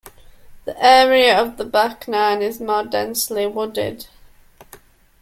The area of the back nine is more densely wooded.